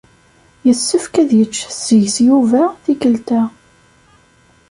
Yessefk ad yečč seg-s Yuba tikkelt-a.